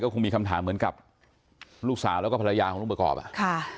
คงมีคำถามเหมือนกับลูกสาวแล้วก็ภรรยาของลุงประกอบอ่ะค่ะ